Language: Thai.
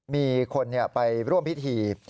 มีคนไปร่วมพิธี